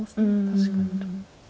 確かに。